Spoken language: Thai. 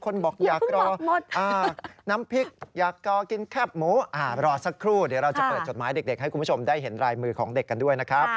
คุณผู้ชมได้เห็นลายมือของเด็กกันด้วยนะครับ